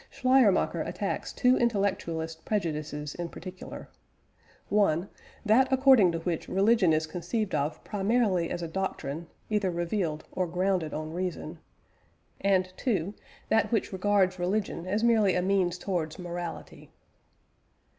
Schleiermacher attacks two intellectualist prejudices in particular: (1) That according to which religion is conceived of primarily as a doctrine (either revealed, or grounded on reason), and (2) That which regards religion as merely a means towards morality.